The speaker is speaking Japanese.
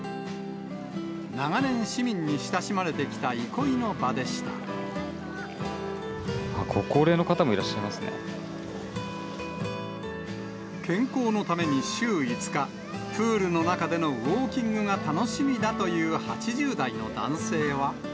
長年、市民に親しまれてきたご高齢の方もいらっしゃいま健康のために週５日、プールの中でのウォーキングが楽しみだという８０代の男性は。